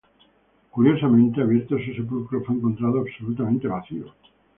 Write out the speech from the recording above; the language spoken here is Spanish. Curiosamente, abierto su sepulcro, fue encontrado absolutamente vacío.